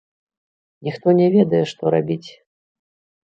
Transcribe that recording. Ніхто не ведае, што рабіць.